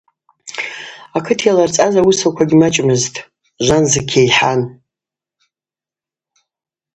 Акыт йаларцӏаз ауасаква гьмачӏмызтӏ – жванзыкь йайхӏан.